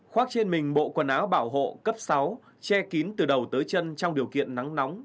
khoác trên mình bộ quần áo bảo hộ cấp sáu che kín từ đầu tới chân trong điều kiện nắng nóng